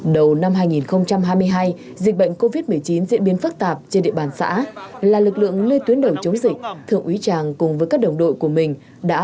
đầu năm hai nghìn hai mươi hai dịch bệnh covid một mươi chín diễn biến phức tạp trên địa bàn xã